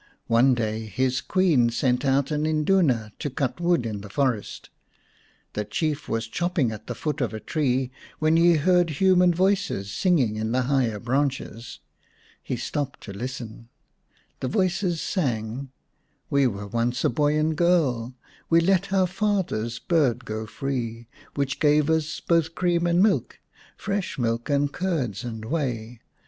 One day his Queen sent out an Induna to cut wood in the forest. The Chief was chopping at the foot of a tree when he heard human voices singing in the higher branches. He stopped to listen. The voices sang :" We were once a boy and girl ; We let our father's bird go free Which gave us both cream and milk, Fresh milk, and curds and whey.